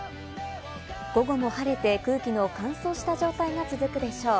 午後も晴れて空気の乾燥した状態が続くでしょう。